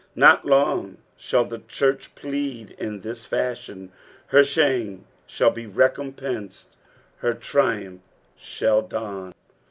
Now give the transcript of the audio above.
Not long shall the church plead in this fashion, her sbaiiie ■holt be recompensed, her triumph shall dawn.